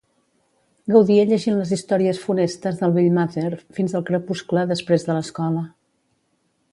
Gaudia llegint les històries funestes del vell Mather fins al crepuscle després de l'escola.